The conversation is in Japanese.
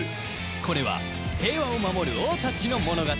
これは平和を守る王たちの物語